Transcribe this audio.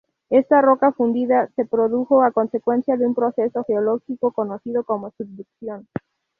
Esta roca fundida se produjo a consecuencia de un proceso geológico conocido como subducción.